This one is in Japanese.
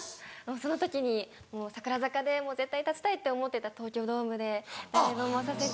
その時に櫻坂でもう絶対立ちたいって思ってた東京ドームでライブもさせていただいて。